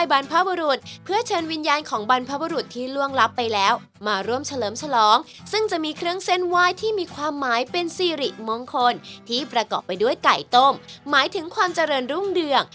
บรรพบุรุษเพื่อเชิญวิญญาณของบรรพบุรุษที่ล่วงลับไปแล้วมาร่วมเฉลิมฉลองซึ่งจะมีเครื่องเส้นไหว้ที่มีความหมายเป็นสิริมงคลที่ประกอบไปด้วยไก่ต้มหมายถึงความเจริญรุ่งเรือง